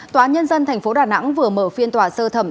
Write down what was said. tòa nhân dân tp đà nẵng vừa mở phiên tòa sơ thẩm